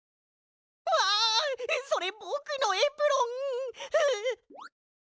それぼくのエプロン！ふう。